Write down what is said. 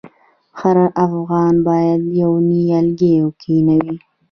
هر افغان باید یو نیالګی کینوي؟